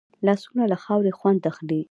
لاسونه له خاورې خوند اخلي